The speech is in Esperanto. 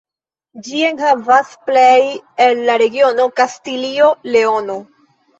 Ĝi enhavas plej el la regiono Kastilio-Leono.